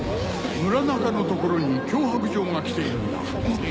村中のところに脅迫状が来ているんだえっと